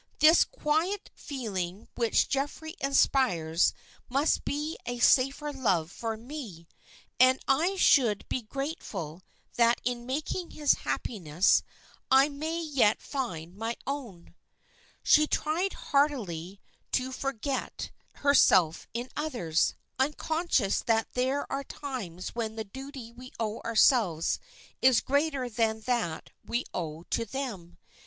This quiet feeling which Geoffrey inspires must be a safer love for me, and I should be grateful that in making his happiness I may yet find my own." She tried heartily to forget herself in others, unconscious that there are times when the duty we owe ourselves is greater than that we owe to them.